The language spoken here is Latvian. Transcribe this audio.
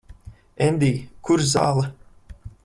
Endij, kur zāle?